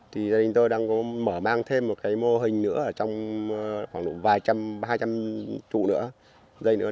thì gia đình tôi đang mở mang thêm một mô hình nữa trong khoảng hai trăm linh chụ nữa